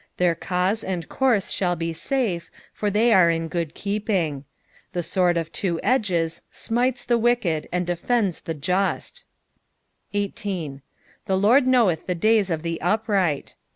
Their cause and course shaU be safe, for they are in good keeping. The sword of two edgei ■raiCes the wicked and defeads the just. IS. " The Lord tnoaeth the dny» of the upright."